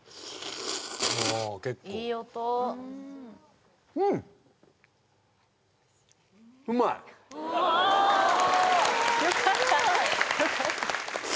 あ結構・いい音うんよかったよかった